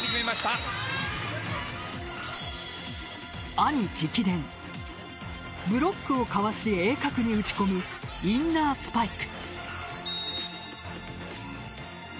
兄直伝、ブロックをかわし鋭角に打ち込むインナースパイク。